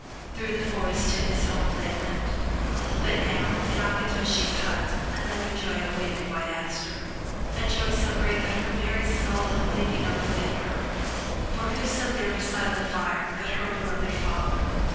Through the forest to his home they went. But now in Akitoshi's hut another joy awaited White Aster, — a joy so great that her very soul went leaping up within her. For who sat there beside the fire, but her beloved father?